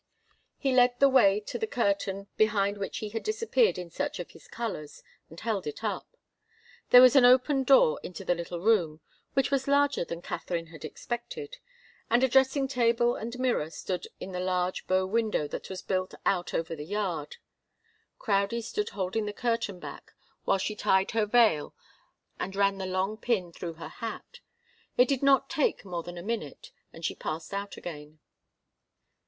He led the way to the curtain behind which he had disappeared in search of his colours, and held it up. There was an open door into the little room which was larger than Katharine had expected and a dressing table and mirror stood in the large bow window that was built out over the yard. Crowdie stood holding the curtain back while she tied her veil and ran the long pin through her hat. It did not take more than a minute, and she passed out again.